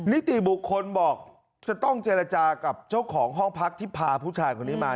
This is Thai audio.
นิติบุคคลบอกจะต้องเจรจากับเจ้าของห้องพักที่พาผู้ชายคนนี้มา